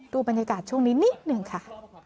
บรรยากาศช่วงนี้นิดหนึ่งค่ะ